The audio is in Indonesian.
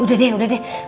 udah deh udah deh